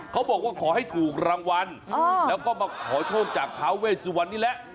เขาบอกว่าขอให้ถูกรางวัลแล้วก็มาขอโชคจากพาเวสวันนี้แหละ